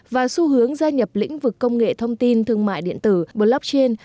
và xu hướng gia nhập lĩnh vực công nghệ thông tin thương mại điện tử blockchain